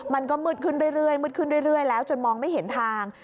มันก็มืดขึ้นเรื่อยมืดขึ้นเรื่อยแล้วจนมองไม่เห็นทาง